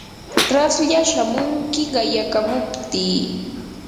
raslla shamunki qayakamuptii.